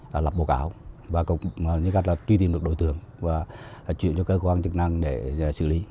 là lập bộ cáo và cũng như các là truy tìm được đối tượng và chuyển cho cơ quan chức năng để xử lý